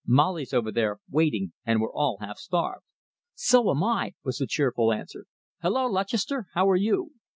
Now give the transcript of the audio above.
Molly's over there, waiting, and we're all half starved." "So am I," was the cheerful answer. "Hullo, Lutchester, how are you?